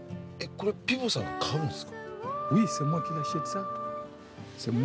これピヴォさんが買うんですか？